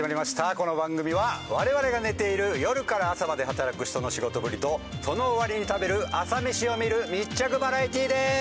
この番組は我々が寝ている夜から朝まで働く人の仕事ぶりとその終わりに食べる朝メシを見る密着バラエティーです！